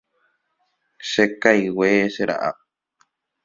Chekaigue, che ra'a.